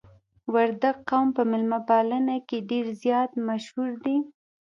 وردګ قوم په میلمه پالنه کې ډیر زیات مشهور دي.